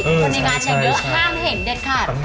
คนในงานยังเยอะห้ามเห็นเด็ดขาด